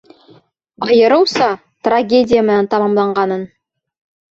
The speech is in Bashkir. Айырыуса, трагедия менән тамамланғанын.